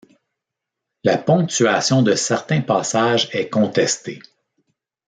La ponctuation de certains passages est contestée.